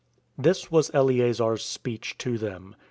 7. This was Eleazar's speech to them.